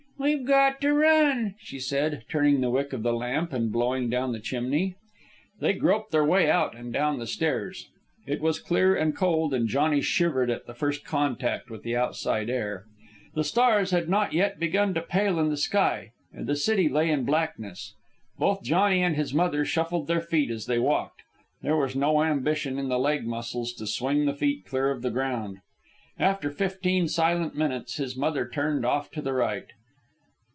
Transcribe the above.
"We've got to run," she said, turning the wick of the lamp and blowing down the chimney. They groped their way out and down the stairs. It was clear and cold, and Johnny shivered at the first contact with the outside air. The stars had not yet begun to pale in the sky, and the city lay in blackness. Both Johnny and his mother shuffled their feet as they walked. There was no ambition in the leg muscles to swing the feet clear of the ground. After fifteen silent minutes, his mother turned off to the right.